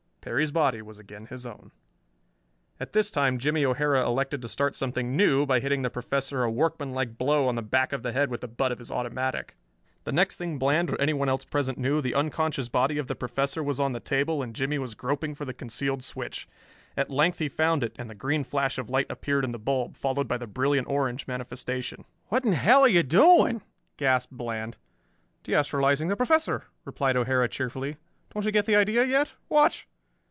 Perry's body was again his own. At this time Jimmie O'Hara elected to start something new by hitting the Professor a workmanlike blow on the back of the head with the butt of his automatic. The next thing Bland or anyone else present knew the unconscious body of the Professor was on the table and Jimmie was groping for the concealed switch. At length he found it, and the green flash of light appeared in the bulb, followed by the brilliant orange manifestation. "What in hell are you doing?" gasped Bland. "De astralizing the Professor," replied O'Hara cheerfully. "Don't you get the idea yet? Watch!"